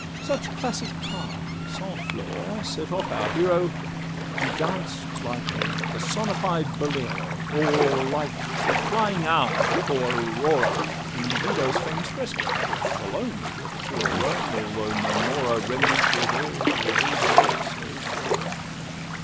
Such classic pas—sans flaws—set off our hero, He glanced like a personified Bolero; Or, like a flying Hour before Aurora, In Guido's famous fresco which alone Is worth a tour to Rome, although no more a Remnant were there of the old world's sole throne.